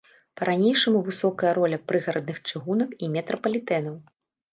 Па-ранейшаму высокая роля прыгарадных чыгунак і метрапалітэнаў.